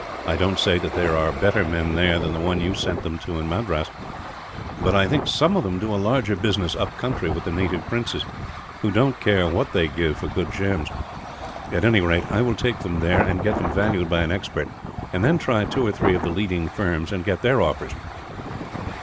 I don't say that there are better men there than the one you sent to, at Madras; but I think some of them do a larger business up country with the native princes, who don't care what they give for good gems. At any rate, I will take them there and get them valued by an expert; and then try two or three of the leading firms, and get their offers.